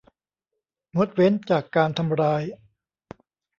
งดเว้นจากการทำร้าย